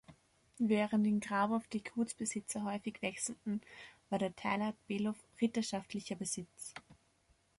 Während in Grabow die Gutsbesitzer häufig wechselten, war der Teilort Below ritterschaftlicher Besitz.